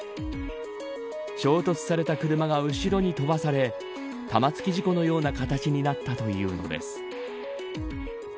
衝突された車が後ろに飛ばされ玉突き事故のような形になったというのです。